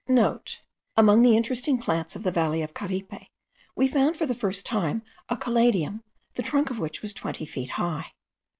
*(* Among the interesting plants of the valley of Caripe, we found for the first time a calidium, the trunk of which was twenty feet high (C.